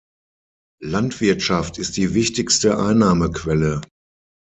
Landwirtschaft ist die wichtigste Einnahmequelle.